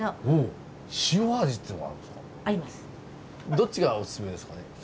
どっちがおすすめですかね？